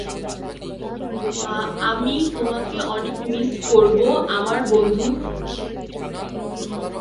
আমি তোমাকে অনেক মিস করব, আমার বন্ধু।